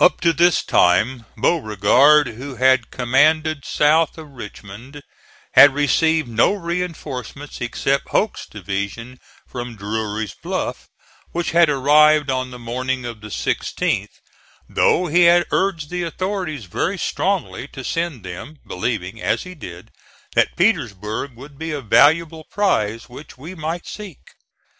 Up to this time Beauregard, who had commanded south of Richmond, had received no reinforcements, except Hoke's division from Drury's Bluff,(*37) which had arrived on the morning of the 16th; though he had urged the authorities very strongly to send them, believing, as he did, that Petersburg would be a valuable prize which we might seek.